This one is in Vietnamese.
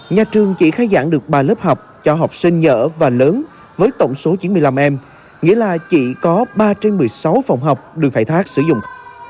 nhà trường chỉ khai giảng được ba lớp học cho học sinh nhỡ và lớn với tổng số chín mươi năm em nghĩa là chỉ có ba trên một mươi sáu phòng học đường phải thác sử dụng